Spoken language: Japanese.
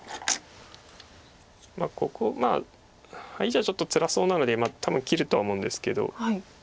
ここハイじゃちょっとつらそうなので多分切るとは思うんですけど。